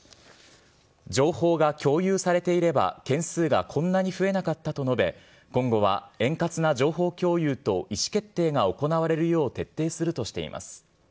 情報が共有されていれば、件数がこんなに増えなかったと述べ、今後は円滑な情報共有と、意思決定が行われるよう徹底するとしています。